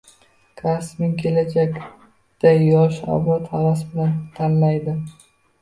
Kasbining kelajakda yosh avlod havas bilan tanlaydi.